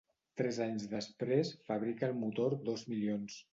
Tres anys després, fabrica el motor dos milions.